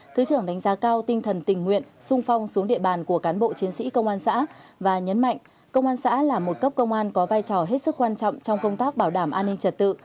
thứ trưởng đánh giá cao tinh thần tình nguyện sung phong xuống địa bàn của cán bộ chiến sĩ công an xã và nhấn mạnh công an xã là một cấp công an có vai trò hết sức quan trọng trong công tác bảo đảm an ninh trật tự